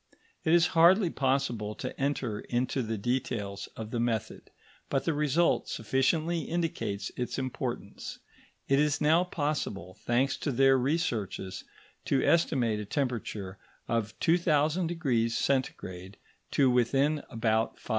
It is hardly possible to enter into the details of the method, but the result sufficiently indicates its importance. It is now possible, thanks to their researches, to estimate a temperature of 2000° C. to within about 5°.